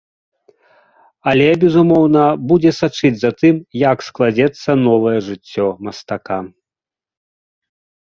Але, безумоўна, будзе сачыць за тым, як складзецца новае жыццё мастака.